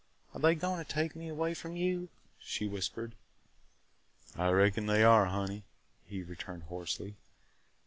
"Are they going to take me away from you?" she whispered. "I reckon they are, honey!" he returned hoarsely.